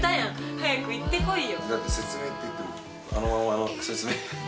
早く行ってこいよ。